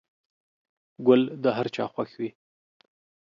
گل د هر چا خوښ وي.